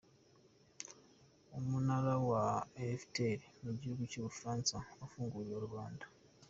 Umunara wa Eiffel mu gihugu cy’u Bufaransa wafunguriwe rubanda.